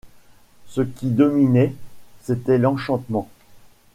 Ce qui dominait, c’était l’enchantement.